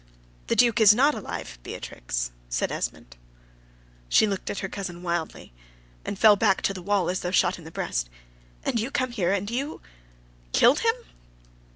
"The Duke is not alive, Beatrix," said Esmond. She looked at her cousin wildly, and fell back to the wall as though shot in the breast: "And you come here, and and you killed him?"